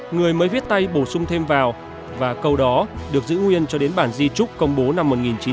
người mới viết tay bổ sung thêm vào và câu đó được giữ nguyên cho đến bản di trúc công bố năm một nghìn chín trăm bảy mươi